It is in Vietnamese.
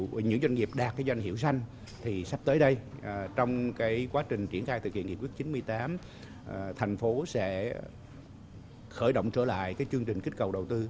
với những doanh nghiệp đạt doanh hiệu xanh thì sắp tới đây trong quá trình triển khai thực hiện nghiệp quyết chín mươi tám